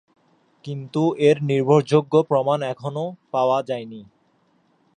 কিন্তু এর নির্ভরযোগ্য প্রমাণ এখনও পাওয়া যায়নি।